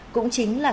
cũng chính là ngày